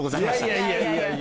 いやいやいや。